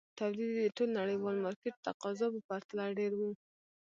تولید یې د ټول نړیوال مارکېټ تقاضا په پرتله ډېر وو.